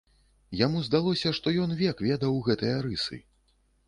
Яму здалося, што ён век ведаў гэтыя рысы!